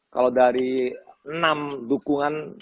kalau dari enam dukungan